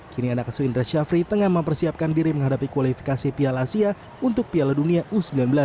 kini anak asu indra syafri tengah mempersiapkan diri menghadapi kualifikasi piala asia untuk piala dunia u sembilan belas